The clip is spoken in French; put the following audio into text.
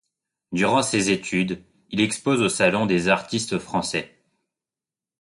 Durant ses études, il expose au Salon des artistes français.